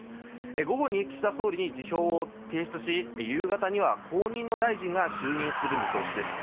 午後に岸田総理に辞表を提出し夕方には後任の大臣が就任する見通しです。